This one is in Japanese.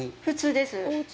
普通です。